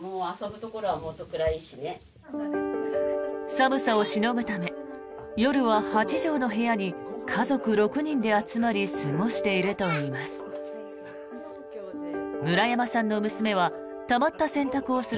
寒さをしのぐため夜は８畳の部屋に家族６人で集まり過ごしているといいます。